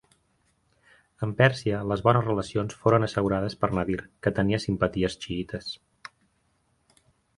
Amb Pèrsia les bones relacions foren assegurades per Nadir que tenia simpaties xiïtes.